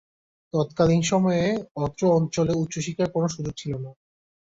তৎকালিন সময়ে অত্র অঞ্চলে উচ্চশিক্ষার কোন সুযোগ ছিল না।